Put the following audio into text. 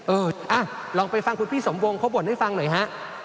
เออลองไปฟังคุณพี่สมวงเขาบ่นให้ฟังหน่อยฮะ